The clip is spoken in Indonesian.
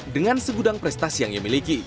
dengan segudang prestasi yang ia miliki